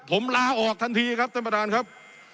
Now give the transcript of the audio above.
ผมลาออกทันทีครับท่านประธานครับ